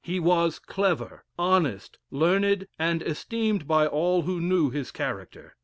He was clever, honest, learned, and esteemed by all who knew his character.